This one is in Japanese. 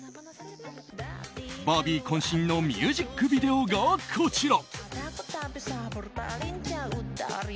バービー渾身のミュージックビデオがこちら。